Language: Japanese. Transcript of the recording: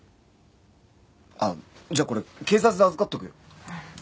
あっじゃあこれ警察で預かっておくよ。